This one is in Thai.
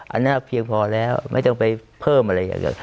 อันนี้เพียงพอแล้วไม่ต้องไปเพิ่มอะไรอย่างเดียว